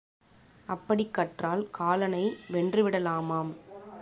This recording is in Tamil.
அப்படிக் கற்றால் காலனை வென்று விடலாமாம்.